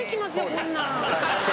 こんなん。